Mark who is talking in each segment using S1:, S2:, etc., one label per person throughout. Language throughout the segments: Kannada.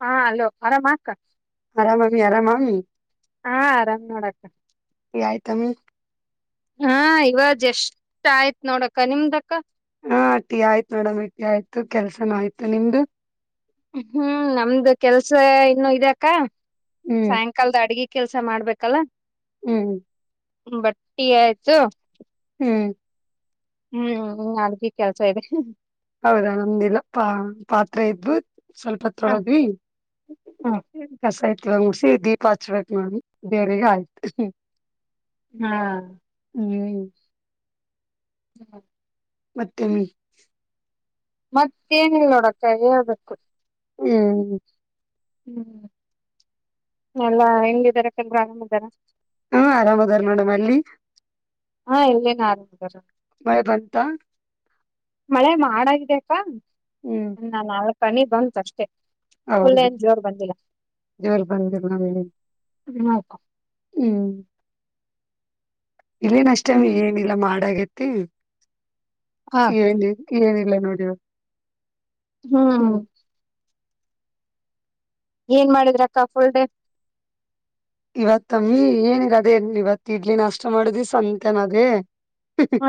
S1: ಹಾ ಅಲೋ ಆರಾಮ ಆಕ್ಕ
S2: ಆರಾಮಾಮಿ ಆರಾಮಾಮಿ
S1: ಹಾ ಆರಾಮ್ ನೋಡಕ್ಕ
S2: ಟೀ ಆಯ್ತಮ್ಮಿ
S1: ಹಾ ಇವಾಜ್ ಎಷ್ಟ ಆಯ್ತ್ ನೋಡಕ ನಿಮ್ದಕ್ಕ
S2: ಹಾ ಟ್ಟಿ ಆಯ್ತು ನೋಡಮ್ಮಿ ಇಟ್ಟಿ ಆಯ್ತು ಕೆಲ್ಸನ ಆಯ್ತು ನಿಮ್ದು
S1: ಹ್ಮ್ ನಮ್ದು ಕೆಲ್ಸ ಇನ್ನುೂ ಇದಾಕ್ಕ
S2: ಹ್ಮ್
S1: ಸಾಯಂಕಾಲದ ಅಡ್ಗಿ ಕೆಲ್ಸ ಮಾಡ್ಬೇಕಲ್ಲ
S2: ಹ್ಮ್
S1: ಬಟ್ಟಿ ಆಯ್ತು
S2: ಹ್ಮ್
S1: ಹ್ಮ್ ಅದಕಿ ಕೆಲ್ಸ ಇದೆ
S2: ಹೌದಾ ನಮ್ದಿಲ್ಲ ಪಾ ಪಾತ್ರೆ ಇದದ್ದು ಸ್ವಲ್ಪ
S1: ಹ
S2: ತೊಳದ್ವಿ ಕಸಾಯತ್ ಒಂಗ ಮುಸಿ ದೀಪ ಹಚ್ಬೇಕಕ್ ನಾನು ದೇವ್ರಿಗೆ ಆಯ್ತು
S1: ಹಾ
S2: ಹ್ಮ್
S1: ಹಾ
S2: ಮತ್ತೆ
S1: ಮತ್ತೇಏನಿಲ್ಲ ನೋಡಾಕ ಹೇಳ್ಬೇಕು
S2: ಹ್ಮ್
S1: ಹ್ಮ್ ಎಲ್ಲ ಹೆಂಗಿದಾರ ಕೆಲ್ ಗ ಬ್ರಾಂಡ್ಮುಗ್ಧರ
S2: ಹಾ ಆರಾಮ್ದಾರ ಮೇಡಮ್ ಅಲ್ಲಿ
S1: ಹಾ ಎಲ್ಲೇನ ಆರಾಮದಾರ
S2: ಮ ಬಂತ
S1: ಮಳೆ ಮಾಡಾಗಿದೆ
S2: ಹ್ಮ್
S1: ಅಕ್ಕನ್ನಾ ನಾಲ್ಕನಿ ಬಂತ ಅಷ್ಟೇ ಫುಲ್
S2: ಹೌದು
S1: ಏನ್ ಜೋರ್ ಬಂದಿಲ್ಲ
S2: ಜೋರ್ ಬಂದ ಮಿಣಿ
S1: ಟಿವಿ ನೋಡಕ
S2: ಹ್ಮ್ ಇಲ್ಲೇನ್ ಅಷ್ಟ ಏನಿಲ್ಲಾ ಮಾಡಾಗತಿ
S1: ಹಾ
S2: ಏನ್ ಏನಲ್ಲ ನೋಡಿವ
S1: ಹ್ಮ್ ಏನ್ ಮಾಡಿದ್ರಕ್ಕ ಫುಲ್ ಡೇ
S2: ಇವತ್ತವಿ ಏನಗ ಅದೇವತ್ ಇಡ್ಲಿ ನಷ್ಟ ಮಾಡುದಿ ಸಂತೆನ ಅದೇ
S1: ಹ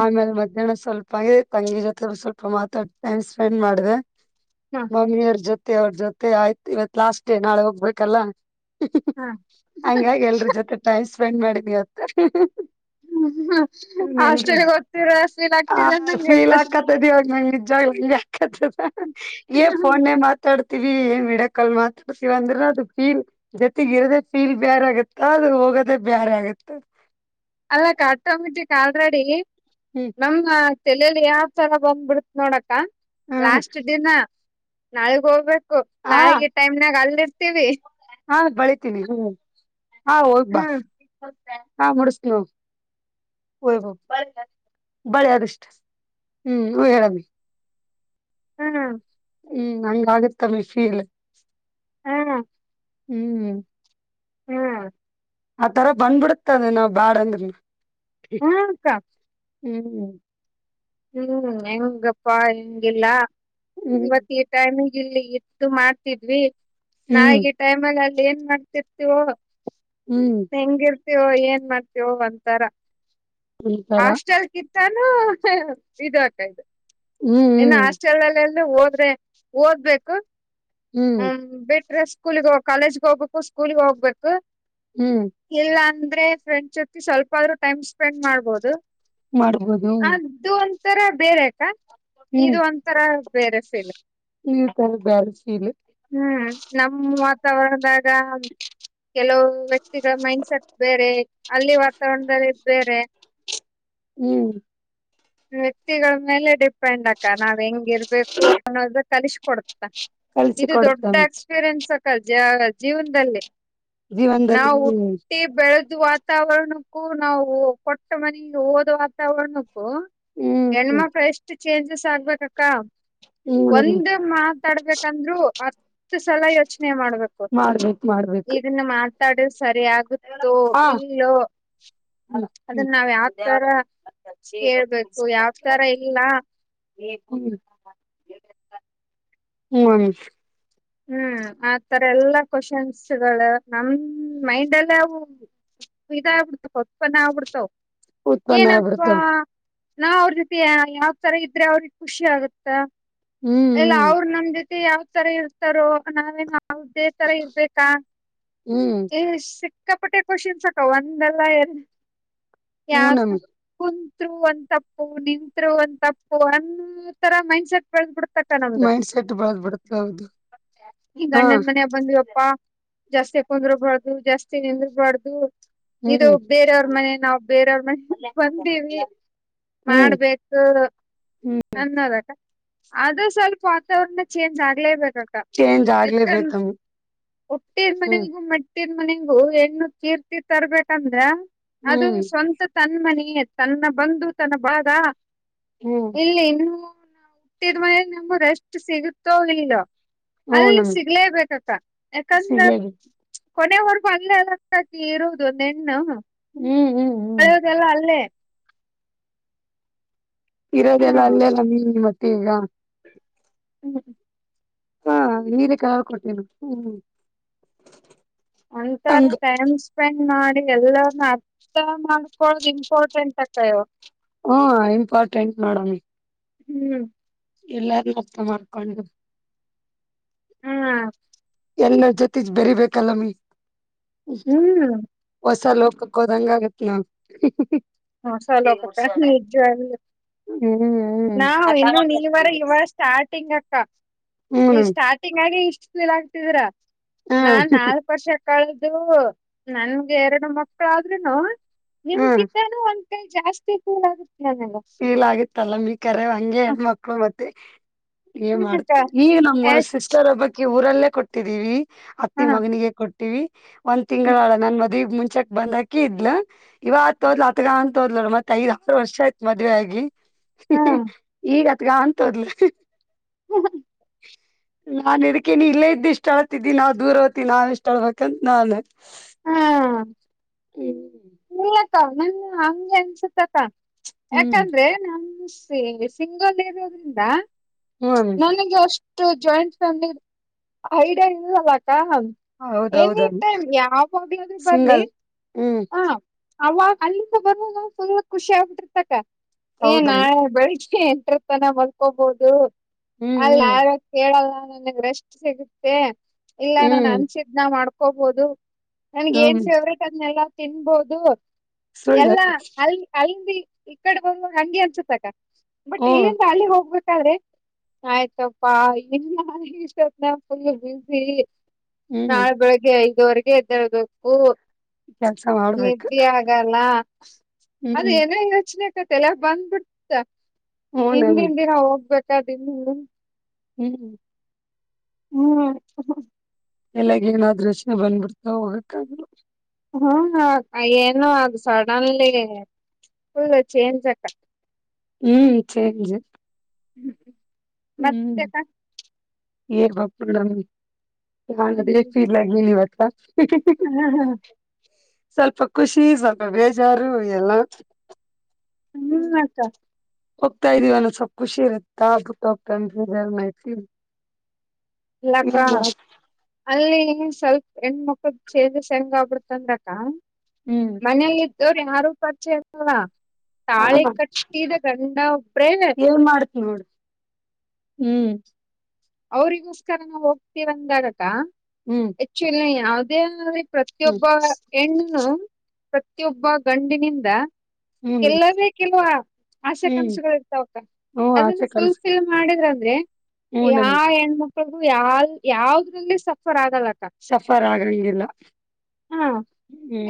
S2: ಆಮೇಲೆ ಮಧ್ಯಾಹ್ನ ಸ್ವಲ್ಪ ಅಂಗೆ ತಂಗಿ ಜೊತೆ ಸ್ವಲ್ಪ ಮಾತಾ ಟೈಮ್ ಸ್ಪೆಂಡ್ ಮಾಡಿದೆ
S1: ಹ
S2: ಮಮ್ಮಿಯರ ಜೊತೆ ತೆ ಅವ್ರ ಜೊತೆ ಆಯ್ತು ಇವತ್ ಲಾಸ್ಟ್ ಡೇ ನಾಳೆ ಹೋಗ್ಬೇಕಲ್ಲ
S1: ಹ
S2: ಹಂಗಾಗಿ ಎಲ್ರ ಜೊತೆ ಟೈಮ್ ಸ್ಪೆಂಡ್ ಮಾಡಿದವಿವತ್ತ
S1: ಹ್ಮ್ ಹ ಹಾಸ್ಟೆಲ್ಗೆ ಓದ್ತರ ಸೀಲ್ ಆಗ್ತಿದೆ ಅಂದಂಗಗೆ ಎತ್ತ
S2: [unintelligible] ಫೋನ್ ಮಾತಾಡ್ ವಿ ಏನ್ ಮಿಡಕಲ್ ಮಾತಾಡ್ತೀವಿ ಅಂದ್ರ ಅದುೀ ಜೊತೆಗ ಇರದೆ ಫೀಲ್ ಬೇರ್ ಆಗುತ್ತ ಅದು ಹೋಗೋದ ಬೇರ ಆಗತ್ತ
S1: ಅಲ್ಲ ಕಟ್ತೋಗ್ಬಿಟ್ಟಿಕ್ಕೆ ಆಲ್ರೆಡಿ ನಮ್ಮ ತಲಲಿ ಯಾವ್ ತರ ಬಂದ್ಬಿಡ್ತ್ ನೋಡಕ್ಕ
S2: ಹ್ಮ್
S1: ಲಾಸ್ಟ್ ಡಿನಾ ನಾಳಗ್ ಹೋಗ್ಬೇಕ
S2: ಹಾ
S1: ನಾಳೆ ಟೈಮ್ನಾಗ ಅಲ್ಲಿ ಇರ್ತೀವಿ
S2: ಹಾ ಬೆಳಿತೀನಿ ಹ್ಮ್ ಹಾ ಹೋಗ್ಬಾ
S1: ಹ್ಮ್
S2: ಹಾ ಮುಡಿಸನು. ಕೂಲಿ ಹೋಗ್ ಬಳೆ ಅರಿಷ್ಟ ಹ್ಮ್ ಯುಹೇಳವಿ [inaudible]
S1: ಹ್ಮ.
S2: ಹ್ಮ್ ಹಂಗ ಆಗತ್ತ ಮಿಷೀಲ್.
S1: ಹಾ.
S2: ಹ್ಮ್
S1: ಹ್ಮ್
S2: ಆತರ ಬಂದ್ಬಿಡತದೆ ನಾವ್ ಬ್ಯಾಡ ಅಂದ್ರನು
S1: ಹ್ಮ್ಕ
S2: ಹ್ಮ್.
S1: ಹ್ಮ್ ಹೆಂಗಪ್ಪಾ ಹೆಂಗಿಲ್ಲಾ
S2: ಹ್ಮ್
S1: ಇವತ್ತ ಈ ಟೈಮಿಂಗ, ಇಲ್ಲಿ ಇಟ್ಟ ಮಾಡ್ತಿದ್ವಿ
S2: ಹ್ಮ್
S1: ನಾಳಿಗಿ ಟೈಮ್ಲ್ಲಿ ಅಲ್ಲಿ ಏನ್ ಮಾಡ್ತಿರ್ತೀವೋ.
S2: ಹ್ಮ್
S1: ಹೆಂಗಿರ್ತವೋ, ಏನ್ ಮಾಡ್ತವೋ ಒಂತರ.
S2: ಈ ತರ
S1: ಹಾಸ್ಟೆಲ್ ಕಿತ್ತಾನೂ ಇದ ಅಕ್ಕ ಇದ.
S2: ಹ್ಮ್
S1: ಇನ್ನು
S2: ಹ್ಮ್
S1: ಹಾಸ್ಟೆಲ್ಲ್ಲೆಲ್ಲ ಹೋದ್ರೆ ಓದ್ಬೇಕು.
S2: ಹ್ಮ್
S1: ಹ್ಮ ಬಿಟ್ರೆಷ್ಟ, ಸ್ಕೂಲ್ಗೆ ಹೋಗ ಕಾಲೇಜ್ಗೆ ಹೋಗ್ಬೇಕು, ಸ್ಕೂಲ್ಗೆ ಹೋಗ್ಬೇಕು,
S2: ಹ್ಮ್
S1: ಇಲ್ಲ ಅ ದ್ರೆ ಫ್ರೆಂಡ್ ಜೊತೆಗೆ ಸ್ವಲ್ಪ ಆದ್ರೂ ಟೈಮ್ಪೆಂಡ್ ಮಾಡ್ಬಹದು.
S2: ಮಾಡ್ಬೋದು.
S1: ಒಂಥರಾ ಬೇರೆ ಅಕ್ಕ
S2: ಹ್ಮ್
S1: ಇದು ಒಂತರ ಬೇರೆ ಫೀಲ.
S2: [unintelligible] ಫೀಲ್
S1: ಹ್ಮ್ ನಮ್ಮ್ ವಾತಾವರಣದಾಗ, ಕೆಲವುಯ ವ್ಯಕ್ತಿಗಳ ಮೈಂಡ್ಸೆಟ್ ಬೇರೆ, ಅಲ್ಲಿ ವಾತಾವರಣದಲ್ಲಿ ಬೇರೆ,
S2: ಹ್ಮ್.
S1: ವ್ಯಕ್ತಿಗಳ ಮೇಲೆ ಡಿಪೆಂಡ್ ಅಕ್ಕ ನಾವ್ ಹೆಂಗಿರ್ಬೇಕು ಅನ್ನೋದ ಕಲಿಸಕ ಕೊಡ್ತ.
S2: ಕಲ್ಸಿ
S1: ಇದು ದೊಡ್ಡ
S2: ಕೊಡುತ್ತಮ್ಮಿ
S1: ಎಕ್ಸ್ಪೀರಿಯನ್ಸ್ ಅಕ್ಕ ಜ ಜೀವನದಲ್ಲಿ.
S2: ಜೀವನದಲ್ಲಿ
S1: ನಾವು
S2: ಹ್ಮ್
S1: ಹುಟ್ಟಿ ಬೆಳೆದುವ ವಾತಾವರಣಕ್ಕೂ, ನಾವು ಕೊಟ್ಟ ಮನೆಗೆ ಓದ ವಾತಾವರಣಕ್ಕೂ,
S2: ಹ್ಮ್
S1: ಹೆಣ್ಮಕ್ಳ ಎಷ್ಟು ಚೇಂಜಸ್ ಆಗ್ಬೇಕಕ್ಕ.
S2: ಹ್ಮ್
S1: ಒಂದ ಮಾತಾಡ್ಬೇಕಂದ್ರು, ಹತ್ ಸಲ ಯೋಚ್ ಚನೆ ಮಾಡ್ಬೇಕು
S2: ಮಾಡ್ಬೇಕು ಮಾಡ್ಬೇಕು
S1: ಈಗ ನಾ ಮಾತಾಡ್ರಾ ಸರಿ ಆಗುತ್ತೋ
S2: ಹಾ
S1: ಇಲ್ಲೋ,
S2: [inaudible]
S1: ಅದನ್ನ ನಾವ್ ಯಾವ ತರ ಕೇಳ್ಬೇಕು, ಯಾವ ತರ ಇಲ್ಲ,
S2: ಹ್ಮ, ಹ್ಮ
S1: ಹ್ಮ್ ಆತರ ಎಲ್ಲಾ ಕ್ವಶನ್ಸ್ಗಳೆ ನಮ ಮೈಂಡಲ್ಲೇ ಅವು, ಇದ ಆಗ್ಬಿಡ್ತ ಕೊತ್ಪನ ಆಗ್ಬಿಡ್ತಾವ
S2: ಉತ್ಪನ್ನ
S1: ಏನಪ್ಪ,
S2: ಆಗ್ಬಿಡ್ತಾವ
S1: ನಾ ಅವ್ರ ಜೊತೆ ಯಾವ ತರ ಇದ್ರೆ ಅವ್ರಿಗೆ ಖುಷಿ ಆಗುತ್ತ. ಎಲ್ಲ
S2: ಹ್ಮ್ ಹ್ಮ್
S1: ಅವರು ನಮ ಜೊತಿ ಯಾವ್ ತರ ಇರ್ತಾರೋ ನಾವೇ ಹೌದೇ ತರ ಇರ್ಬೇಕಾ,
S2: ಹ್ಮ್
S1: ಈ ಸಿಕ್ಕಾಪಟ್ಟೆ ಕೋಶನ್ಸ್ ಅಕ್ಕ ಒಂದಲ್ಲ ಎರಡ ಯಾ
S2: ಹ್ಮ್
S1: [unintelligible]
S2: ನಮ್ಗೆ
S1: ಕುಂತ್ರು ಒಂದ ತಪ್ಪು, ನಿತ್ರು ಒಂದ ತಪ್ಪು, ಒಂತರ ಮೈಂಡ್ ಸೆಟ್ ಬೆಳ್ಬಡ
S2: ಮೈಂಡ್ ಸೆಟ್ ಬೆಳೆದಬಿಡುತ್ತಾ
S1: ಈಗ ನಮ್ಮ ಮನೆಗ ಬಂದಿವಿಪ್ಪಾ, ಜಾಸ್ತಿ ಕುಂದ್ರಬರು ಜಾಸ್ತಿ ನಿದರಬಾರ್ಧು. ಇದು
S2: ಹ್ಮ್
S1: ಬೇರೆಯವ್ರ ಮನೆ ನಾವು ಬೇರವ್ರ ಮನೆ ಬಂದೀವಿ.
S2: ಹ್ಮ್
S1: ಮಾಡ್ಬೇಕು, ಅನ್ನೋದ ಅಕ್ಕ ಅದು ಸ್ವಲ್ಪ ವಾತಾವರಣ ಚೇಂಜ್ ಆಗ್ಲೇಬೇ
S2: ಚೇಂಜ್
S1: [unintelligible]
S2: ಆಗ್ಲೇಬೇಕಮ್ಮ
S1: ಹಟ್ಟಿದ
S2: ಹ್ಮ್
S1: ಮನಿಗೂ, ಮೆಟ್ಟಿದ ಮನಿಗೂ, ಹೆಣ್ಣ ಕೀರ್ತಿ ತರರ್ಬೇಕಂದ್ರ, ಅದು
S2: ಹ್ಮ್
S1: ಸ್ವಂತ ತನ್ ಮನಿ, ತನ್ನ ಬಂದು ತನ್ನ ಬಳಗ,
S2: ಹ್ಮ್
S1: ಇಲ್ಲಿ ಇನ್ನು ನಾವು ಹುಟ್ಟಿದ ಮೇಲೆ ನಮಗು ರೆಸ್ಟ್ ಸಿಗುತ್ತೋ ಇಲ್ಲೋ.
S2: ಹ್ಮ್
S1: ಅಲ್ಲಿ
S2: ನಮ್
S1: ಸಿಗಲೇಬೇಕ ಅಕ್ಕ.
S2: [unintelligible]
S1: ಕೊನೆವರ್ಗು ಅಲ್ಲೇ ಅಲ್ಲ ಅಕ್ಕ ಇರುದು ಒಂದ್ ಹೆಣ್ಣು.
S2: ಹ್ಮ್, ಹ್ಮ್, ಹ್ಮ್
S1: ಕಳೆಯೋದೆಲ್ಲ ಅಲ್ಲೇ
S2: ಇರೋದೆಲ್ಲ
S1: ಹ್ಮ್
S2: ಅಲ್ಲೆಲ್ಲ ನೀ ಮತ್ತೆ ಈಗ.
S1: ಹ್ಮ್.
S2: [unintelligible]
S1: ಒಂತರ
S2: ಹಂಗ
S1: ಟೈಮ್ ಸ್ಪೆಂಡ್, ಮಾಡಿ ಎಲ್ಲರನ್ನ ಅರ್ಥ ಮಾಡ್ಕೊಳೋದು ಇಂಪಾರ್ಟೆಂಟ್ ಅಕ್ಕ ಇವ್ಗ್.
S2: ಹ್ಮ ಇಂಪಾರ್ಟೆಂಟ್ ನೋಡಮ.
S1: ಹ್ಮ್.
S2: ಎಲ್ಲಾರು ಮುಕ್ತ ಮಾಡ್ಕೊಂಡು.
S1: ಹ್ಮ್
S2: ಎಲ್ಲ ಜೊತೆ ಬೆರೀಬೇಕಲ್ಲ ಮ
S1: ಹ್ಮ್
S2: ಹೊಸ ಲೋಕ. ಕ್ಕೋದಂಗ ನವು.
S1: ಹೊಸ ಲೋಕಕ ನಿಜವಾಗಲೂ.
S2: ಹ್ಮ್ ಹ್ಮ್
S1: ನಾ ಇನ್ನು ನೀವರ ಇವ ಸ್ಟಾರ್ಟಿಂಗ್ ಅಕ್ಕ. ಈ
S2: ಹ್ಮ್
S1: ಸ್ಟಾರ್ಟಿಂಗ್ ಆಗಿ ಇಷ್ಟ ಕೀಲ್ ಆಗ್ತಿದ್ರ
S2: ಹ್ಮ್
S1: ನಾನ್ ನಾಲ್ಕ ವರ್ಷ. ಮ ಕಳದು ನನ್ಗೆ ಎರಡು ಮಕ್ಕಳ ಆದ ರನು
S2: ಹ್ಮ್
S1: ನಿಮಗಿ. ಒಂಟ ಜಾಸ್ತಿ ಇತ್ತು ನನ್.
S2: ಫೀಲ್ ಆಗಿತ್ತಲ್ಲಮ್ಮ ಕರೆ ಹಂಗೆ ಹೆಣ್ಮಕ್ಳು ಮತ್ತೆ. ಏ
S1: ಹ್ಮ್ ಅಕ್ಕ
S2: ಮಾಡ್ತ್ತ ಈಗ ನಮ್ಮ್ರು
S1: ಎಷ್ಟ್
S2: ಸಿಸ್ಟರ್ ಹಬ್ಬಕ್ಕೆ ಊರಲ್ಲೇ ಕೊಟ್ಟಿದ್ದೀವಿ. ಅತ್ತಿ
S1: ಹಾ
S2: ಮಗನಿಗೆ ಕೊಟ್ಟಿವವಿ ಒಂದ್ ತಿಂಗಳ ನನ್ ಮ. ದಿ ಮುಂಚೆಕ್ ಬಂದಕಿ ಇದ್ ಇವತ್ ತೋದ್ಲ ಆತ್ಗ ಅಂತ ತೋದ್ಲ ಮತ್ತತ್ ದ್ ಆರು ವರ್ಷ ಆಯತ. ಮದ್ವೆ ಆಗಿ
S1: ಹಾ
S2: ಈಗತ್ಗ ಅಂತೋದ್ಲಿ.
S1: ಹ್ಮ.
S2: ನಾಾನನ್ ಇದದಕೇನ ಇಲ್ಲೇ ಇದ್ದು ಇಷ್ಟು ಅಳತಿದ್ದಿ ನಾವ್ ದೂರವತ್ತತಿ ನಾವ ಇಷ್ಟು ಅಳ್ಬೇಕಂತ ನಾನ್.
S1: ಹಾ
S2: ಹ್ಮ್.
S1: ಇಲ್ಲಕ್ಕ ಹಂಗೆ ಅನ್ಸತ ಅಕ್ಕ
S2: ಹ್ಮ್
S1: ಯಾಕಂದ್ರೆ ನ. ಸಿಂಗಲ್ ಇರೋದ್ರಿಂದ
S2: ಹ್ಮ್
S1: ನನಗೆಷ್ಟ. ಷ್ಟ ಜಾಯಿಂಟ್ ಫ್ಯಾಮಿಲಿ ಐಡಿಯಾ ಇ ಅಲ್ಲಕ್ಕ. ಎನಿ
S2: ಹೌದೌದಮ್ಮಿ
S1: ಟೈಮ್ ಯಾವ ಹೋಗದ್ರೂ ಬನ್ನಿ.
S2: ಸಿಂಗಲ್ ಹ್ಮ್.
S1: ಅವಾಗ ಅಲ್ಲಿಂದ ಬರ್ ನ ಸ್ವಲ್ ಖುಷಿ ಆಗ್ಬಿಟ್ಟಿರ್ತಕ್ಕ ಏನ್
S2: ಹೌದಮ್ಮಿ
S1: ನಾಳೆ ಬಳಿ. ಎಟ್ರ ತನಮ್ಕೋ ಬಹುದು
S2: ಹ್ಮ್
S1: ಅಲಿ
S2: ಹ್ಮ್
S1: ಯರು ಕೇಳಲ್ಲ. ನನಗ್ ರೆಸ್ಟ್ ಸಿಗುತ್ತೆ ಇಲ್ಲ ನಾನು
S2: ಹ್ಮ್
S1: ಅನ್ಸಿದನ ಮಾಡ್ಕೋಬೋುದು. ನನ್ಗೆ ಏನ್
S2: ಹ್ಮ್
S1: ಫೇವ್ರೇಟ್ ಅದನ್ನಲ್ಲಾ ತಿನ್ಬೋದು
S2: ಸುಳ್ಳು
S1: ಎಲ್ಲಾ ಅಲ್ಲಿ ಅ. ಈ ಕಡೆ ಬಾಗ ಹಂಗಿ ಅನ್ಸತಕ ಬಟ್
S2: ಹ್ಮ್
S1: ಇಲ್ಲಿಂದ ಅಲ ಹೋಗ್ಬೇಕು. ಆಯ್ತಪ್ಪಾ ಇ ಇಷ್ಟತ್ನ ಫುಲ್ ಬಿಸಿ.
S2: ಹ್ಮ್
S1: ನಾಳೆ ಬೆಳಗ್ಗೆ ಐದುವರೆಗೆ ಎದ್ದಳ್ಬೇಕು.
S2: ಕೆಲ್ಸ ಮಾಡ್ಬೇಕು
S1: ನಿದಿ ಆಗಲ್ಲ. ಅದ
S2: ಹ್ಮ್
S1: ಎಂಗ್ರ ಯೋಚನೆಕತ್ತ ಎಲ್ಲ ಬಂದ್ಬಿಡ್ತ.
S2: ಹೂನಮ್ಮಿ
S1: ಹಿಂದಿನ ದಿನ ಹೋಗ್ಬೇಕದನ್ನು.
S2: ಹ್ಮ್.
S1: ಹ್ಮ್.
S2: ಎಲ್ಲಗ ಏನಾದ್ರೂಷನೆ ಬಂದ್ಬಿಡ್ತಾ ಹೋಗಕ್ಕಾಗಲ್ಲ.
S1: ಹ್ಮ ಏನು ಅದು ಸಡನ್ಲಿ. ಹೂ ಚೈನ್ ತಕ್ಕ.
S2: ಹ್ಮ್. [unintelligible]
S1: ಹ್ಮ್ ಮತ್ತೆ.
S2: ಡ್ ನದೀರ್ ನೀವತ್ರ. [unintelligible]
S1: ಹಾ ಹಾ.
S2: ಸ್ವಲ್ಪ ಖುಷಿ ಸ್ವಲ್ಪ ಬೇಜಾರು ಎಲ್ಲಾ.
S1: ಹ್ಮ್. [inaudible]
S2: ಹೋಗ್ತಾ ಇದಿವವಂದ ಸ್ವಲ್ಪ ಖುಷಿ ಇರುತ್ತಾ ಬುಟ್ಟ ಹೋಗ್ತ ಅ ಮೈತಿ.
S1: ಯಾಕ ಅಲ್ಲಿ. ಸ್ವಲ್ಪ ಹೆಣ ಮಕ್ಳ ಚೇಂಜಸ್ ಹೆಂಗ ಆಗ್ಬಿಡತ ಅಂದ್ರಕ
S2: ಹ್ಮ್
S1: ಮನೆಯಲ್ಲಿ. ಇವ್ರ ಯಾರು ಪರಿಚಯ ಆತಲ್ಲ.
S2: ಆಮ
S1: ತಾಳೆ ಕಟ್ಟಿದ ಗಂಡಾ ಒಬ್ರೇ.
S2: ಏನ್ ಮಾಡ್ತಿ ನೋಡು ಹ್ಮ್.
S1: ಅವರಿಿಗೋಸ್ಕರ ನಾವು ಹೋಗ್ತೀವಂದಾರಕ
S2: ಹ್ಮ್
S1: ಆಕ್ಚುಲಿ ಯಾವದೇ. ಪ್ರತಿಯೊಬ್ಬ
S2: ಹ್ಮ್
S1: ಹೆಣ್ಣನ್ನು ಪ್ರತಿಯೊಬ್ಬ ಗಂಡಿನಿಂದ.
S2: ಹ್ಮ್
S1: ಎಲ್ಲಾರ ಕೆಲವ
S2: ಹ್ಮ್
S1: ಆಶಾಕಾಂಕ್ಷೆಗಳು ಇರ್ತಾವಕ್ಕ.
S2: ಹ್ಮ್
S1: ಅದನ್ನು
S2: ಆಸೆ ಕನ್ಸ
S1: ಫುಲ್ ಫಿಲ್ ಮಾಡಿದ್ರ.
S2: ಹ್ಮ್
S1: ಯ
S2: ನಮ್
S1: ಹೆಣ್ಮಕ್ಳಗೂ ಯಾವ ಯಾವದ್ರಲ್ಲಿ ಸಫರ್ ಆಗ.
S2: ಸಫರ್ ಆಗ್ಲ ಇಿಲ್ಲ.
S1: ಹಾ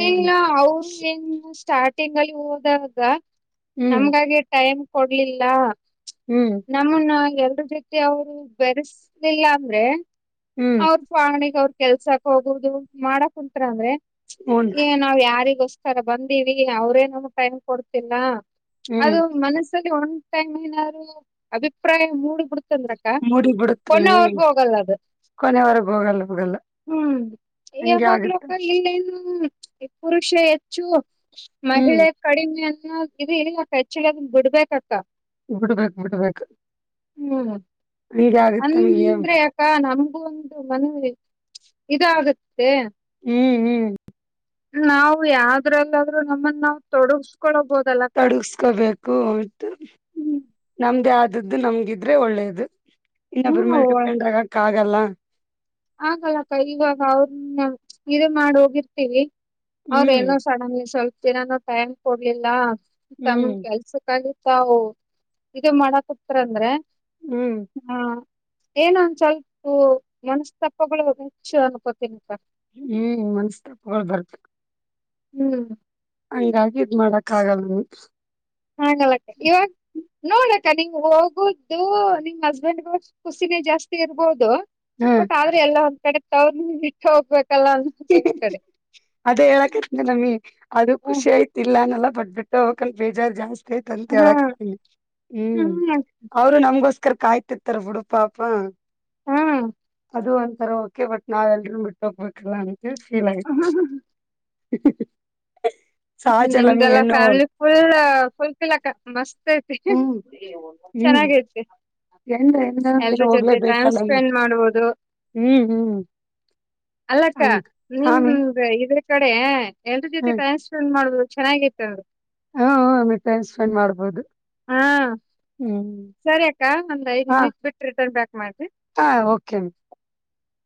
S1: ಈಗ ಅವರು ಏನ್. ಸ್ಟಾರ್ಟಿಂಗ್ ಅಲ್ಲಿ ಹೋದಾಗ
S2: ಹ್ಮ್
S1: ನಮ್ಗಾಗಿ ಟೈಮ್ ಕೊಡ್ಲಿಲ್ಲ.
S2: ಹ್ಮ್
S1: ನಮ್ಮನ್ನ ಎರ ಜೀತಿ ಅವರು ಬೆರೆಸಲಿಲ್ಲ ಅಂದ್ರೆ.
S2: ಹ್ಮ್
S1: ಅವ್ರ ವಂಗಣಗ್ ಅವ್ರ ಕೆಲ್ಸಕ್ ಹೋಗುದು ಮಾಡಕ್ ಕುಂಂತರ ಅಂದ್ರೆ.
S2: ಹೂನ್
S1: ಏ ನಾವ್ ಯಾರಿಗೋಸ್ತಾರ ಬಂದಿವವಿ ಅವ್ರೇನ ಟೈಮ್ ಕೊಡ್ತಿಲ್ಲ.
S2: ಹ್ಮ್
S1: ಅದು ಮನಸ್ಸಲ್ಲಿ ಒಂದ್ ಟೈಮ್ ಏನಾದ್ರು ಅಭಿಪ್ರಾಯ ಮೂಡ್ಬಿಡ್ತಲ್ರ.
S2: ಮೂಡಿ ಬಿಡುತ್ತ
S1: ಕೊಣ
S2: ಹ್ಮ್
S1: ಅವರ್ಗೂ ಹೋಗಲ್ಲ ಅದು.
S2: ಕೊನೆವರೆಗ ಹೋಗಲ್ಲ ಹೋಗಲ್ಲ
S1: ಹ್ಮ್
S2: ಹಂಗೆ
S1: ಯಾವಾಗ್ಲೋಕ
S2: ಆಗುತ್ತೆ
S1: ಇಲ್ಲನು. ಹ್ಮ್ ಈ ಪುರುಷ ಹೆಚ್ಚು
S2: ಹ್ಮ್
S1: ಮಹಿಳೆ ಕಡಿಮೆ. ಇದು ಇ ಹೆಚ್ಚದ ಬಿಡ್ಬೇಕಕ್ಕ.
S2: ಬಿಡ್ಬೇಕು ಬಿಡ್ಬೇಕು.
S1: ಹ್ಮ್
S2: ಹಂಗೆ ಆಗುತ್ತೆ ನಮಗೆ
S1: ಅಂದ್ರೆ ಅಕ್ಕ ನಮಗೂ ಒಂದು ಮನವಿ ಇದಾಗುತ್ತೆ.
S2: ಹ್ಮ್ ಹ್ಮ್.
S1: ನಾವು ಯಾವ್ದ್ರಲ್ಲಾದ್ರೂ ನಮ್ಮನ್ನ ನಾವವು ತೊಡಸ್ಕೊೊಳ್ಳಬಹದು.
S2: ತೊಡಗಸ್ಕೋಬೇಕು ಉಟು
S1: ಹ್ಮ್
S2: ನಮ್ದೇ ಆದದ್ದು ನಮ್ಗಿದ್ರೆ ಒಳ್ಳೇದು. ಇನ್ನೊಬ್ಬರ ಮೇಲೆ
S1: ಹ್ಮ್
S2: ಟುಪ್ೊಂಡ್ರಗಕ್ಕ ಆಗಲ್ಲ.
S1: ಆಗಲ್ಲಕ್ಕ ಇವಾಗ ಅವ್ರನ್ನ ಇದ ಮಾಡ ಹೋಗಿರ್ತೀವಿ.
S2: ಹ್ಮ್
S1: ಅವ್ರೇನೋ ಸಡನ್ ಸ್ವಲ್ಪ ದಿನಾನೂ ಟೈಮ್ ಕೊಡ್ಲಿಲ್ಲ ತಮ
S2: ಹ್ಮ್
S1: ಕೆಲ್ಸಕ್ಕಗ. ತಾವು ಇ ಮಾಡಕ್ತಾರ ಅಂದ್ರೆ.
S2: ಹ್ಮ್.
S1: ಏನಂದ ಸ್ವಲ್ಪ ಮನಸ್ತಪ್ಪಗಳು ಹೆಚ್ಚು ಅನ್ಕೋತೀನಿ ಸರ್.
S2: ಹ್ಮ ಮನ್ಸ್ತಪಗ ಬರ್ತ.
S1: ಹ್ಮ್.
S2: ಹಂಗಾಗಿ ಇದ್ ಮಾಡಾಕ್ ಆಗಲ್.
S1: ಹಾ ನಮತ್ತೆ ಇವಾಗ. ನೋಡಕ್ಕ ನೀಮ್ ಹೋಗುದು ನಿಮ್ ಹಸ್ಬೆಂಡ್ಗ ಖುಸಿನೇ ಜಾಸ್ತಿ ಇರ್ಬೋದು.
S2: ಹಾ
S1: ಬಟ್ ಆದ್ರೆ ಎಲ್ಲ ಒಂದ್ ಕಡೆ ತವ್ರ ಇಟ್ಟ ಹೋಗ್ಬೇಕಲ್ಲ ಅನ್ನ ಒಂದ್ ಕಡೆ.
S2: ಅದೇ ಹೇಳಕತ್ನ ಅವಿ ಅದು
S1: ಹ್ಮ್
S2: ಖುಷಿ ಆಯ್ತಿಲ್ಲನಲ್ಲ. ಬಟ್ ಬಿಟ್ಟ ಹೋಗಕ ಬೇಜಾರ್ ಜಾಸ್ತಿ ಆಯ್ತ ಅಂತ
S1: ಹಾ
S2: ಹೇಳಕ್ತನಿ ಹ್ಮ್ ಅವ್ರು ನಮ್ಗಸ್. ಅಕ್ಕರ್ ಕಾಯ್ತಿತರ್ ಬಿುಡುಪಾಪ.
S1: ಹ.
S2: ಅದು ಒಂಥರ ಓಕೆ ಬಟ್ ನಾವ ಎಲ್ರೂ ಬಿಟ್ಟ ಹೋಗ್ಬೇಕಿಲ್ಲ ಅಂತ ಫೀಲ್ ಆಯ್ತು. [unintelligible] ಸಹಜ ಅಲ್ಲಮ್ಮಿ
S1: ನಿಮ್ದೆಲ್ಲಾ
S2: ಹೆಣ್ಣು
S1: ಫ್ಯಾಮಿಲಿ ಫುಲ್ ಫುಫಲ್ ಮತ್.
S2: ಹ್ಮ್ ಹ್ಮ್
S1: ಚೆನ್ನಾಗತಿ.
S2: ಹೆಣ್ಣು ಹೆಣ್ಣು ದಿನ
S1: ಎಲ್ರ ಜೊತೆ ಟೈಮ್
S2: ಹೋಗ್ಲೇಬೇಕಲ್ಲಮ್ಮಿ
S1: ಸ್ಪೆಂಡ್ ಮಾಡ್ಬೋುದು.
S2: ಹ್ಮ್ ಹ್ಮ್
S1: ಅಲ್ಲಕ್ಕ
S2: ಹಂಗ ಆಮಿ
S1: ನಿಮ್ದ ಇದ. ಕಡೆ ಎನ್ರ ಜೊತೆ ಟೈಮ್ ಸ್ಪೆಂಡ್ ಮಾಡುದು ಚೆನ್ನಾಗಾಗಿತೆ ಅಂದರು.
S2: ಹ್ಮ ಹ್ಮ ಟೈಮ್ ಸ್ಪೆಂಡ್ ಮಾಡ್ಬೋದು.
S1: ಹಾ.
S2: ಹ್ಮ್
S1: ಸರಿ ಅಕ್ಕ ಒಂದ್ ಐದ್
S2: ಹಾ
S1: ನಿಮಿಟ್ ಬಿಟ್ಟ ರಿಟರ್ನ್ ಬ್ಯಾಕ್ ಮಾಡಿ.
S2: [unintelligible]